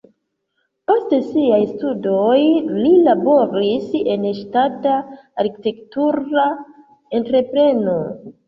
Post siaj studoj li laboris en ŝtata arkitektura entrepreno.